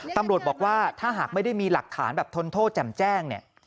ตำรวจบอกว่าถ้าหากไม่ได้มีหลักฐานแบบทนโทษแจ่มแจ้งเนี่ย